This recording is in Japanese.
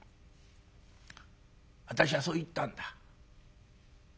私はそう言ったんだ。